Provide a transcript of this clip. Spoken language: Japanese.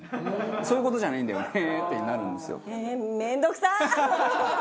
そういう事じゃないんだよねってなるんですよ。